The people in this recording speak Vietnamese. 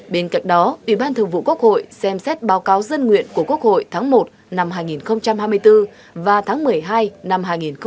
bên cạnh đó ủy ban thường vụ quốc hội xem xét báo cáo dân nguyện của quốc hội tháng một năm hai nghìn hai mươi bốn và tháng một mươi hai năm hai nghìn hai mươi bốn